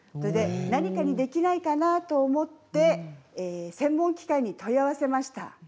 何かにできないかなと思って専門機関に問い合わせました。